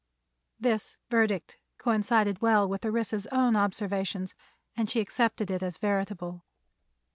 This verdict coincided well with Orissa's own observations and she accepted it as veritable.